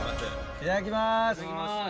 いただきます。